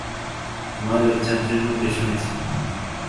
আমার এক ছাত্রের মুখে শুনেছি।